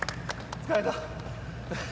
疲れた。